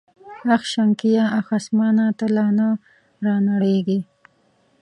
اخ شنکيه اخ اسمانه ته لا نه رانړېږې.